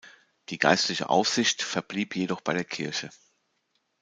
Die geistliche Aufsicht verblieb jedoch bei der Kirche.